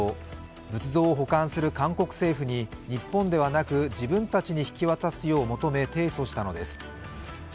仏像を保管する韓国政府に日本ではなく自分たちに引き渡すよう求め提訴したのです。